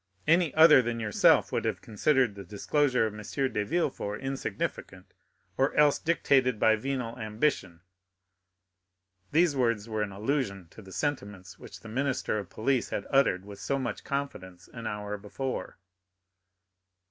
Any other than yourself would have considered the disclosure of M. de Villefort insignificant, or else dictated by venal ambition." These words were an allusion to the sentiments which the minister of police had uttered with so much confidence an hour before.